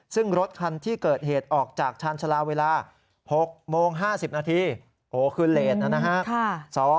ซึ่งรถคันที่เกิดเหตุออกจากชาญชาลาเวลา๖โมง๕๐นาทีโอ้โหคือเลสนะครับ